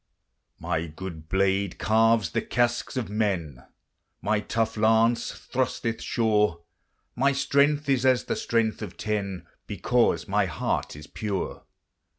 My good blade carves the casques of men, My tough lance thrusteth sure, My strength is as the strength of ten, Because my heart is pure.